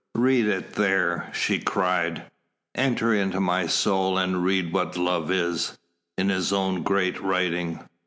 "Read it there," she cried. "Enter into my soul and read what love is, in his own great writing.